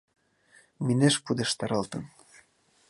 Минеш пудештаралтын